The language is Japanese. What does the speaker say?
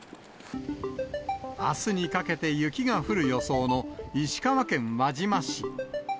あすにかけて雪が降る予想の石川県輪島市。